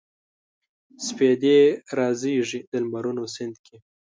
سپیدې رازیږي د لمرونو سیند کې